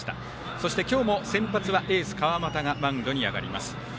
そして、今日も先発はエース川又がマウンドに上がります。